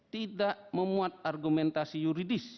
tidak memuat argumentasi yuridis